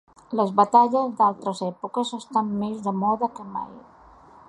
Les batalles d’altres èpoques estan més de moda que mai.